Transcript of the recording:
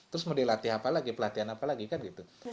terus mau dilatih apa lagi pelatihan apa lagi kan gitu